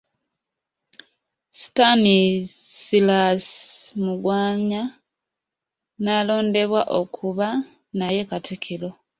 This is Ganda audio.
Stanislas Mugwanya n'alondebwa okuba naye Katikkiro.